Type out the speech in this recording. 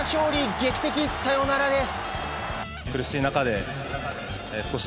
劇的サヨナラです！